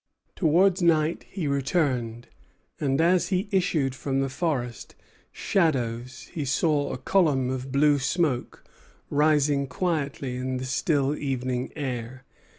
Towards night he returned; and as he issued from the forest shadows he saw a column of blue smoke rising quietly in the still evening air.